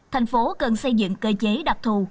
thành phố cần xây dựng cơ chế đặc thù